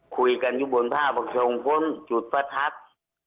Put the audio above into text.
คุยกันอยู่บนผ้าบอกทรงพ้นจุดประทัด